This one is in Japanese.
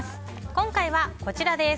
今回はこちらです。